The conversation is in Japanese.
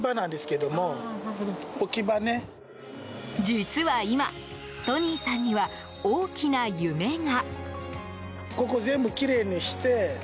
実は今トニーさんには大きな夢が。